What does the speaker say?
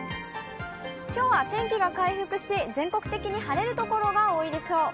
きょうは天気が回復し、全国的に晴れる所が多いでしょう。